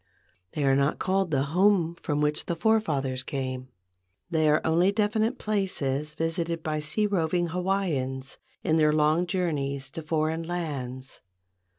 They are not called the home from which the forefathers came. They are only definite places visited by sea roving Hawaiians in their long journeys to foreign lands.